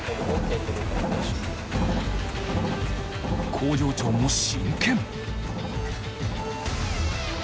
工場長も真剣。